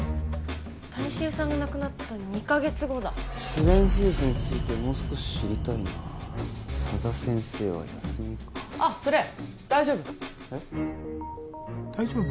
谷繁さんが亡くなった２ヵ月後だ朱蓮フーズについてもう少し知りたいな佐田先生は休みかあッそれ大丈夫大丈夫？